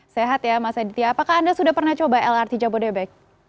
sehat ya mas aditya apakah anda sudah pernah coba lrt jabodebek